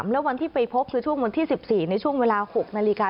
แล้ววันที่ไปพบคือช่วงวันที่๑๔ในช่วงเวลา๖นาฬิกา